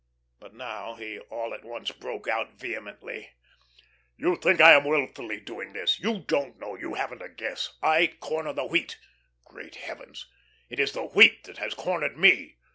But now he all at once broke out vehemently: "You think I am wilfully doing this! You don't know, you haven't a guess. I corner the wheat! Great heavens, it is the wheat that has cornered me!